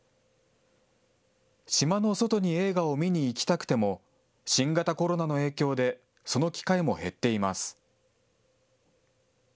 島の外に映画を見に行きたくても、新型コロナの影響で、その機会も減っています。